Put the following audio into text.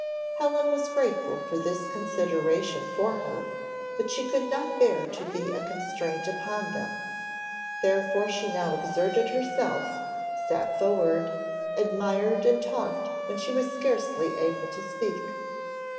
Helen was grateful for this consideration for her, but she could not bear to be a constraint upon them, therefore she now exerted herself, sat forward admired and talked when she was scarcely able to speak.